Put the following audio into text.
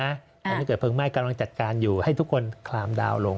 ตอนนี้เกิดเพลิงไหม้กำลังจัดการอยู่ให้ทุกคนคลามดาวนลง